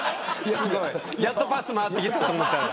やっとパス回ってきたと思ったら。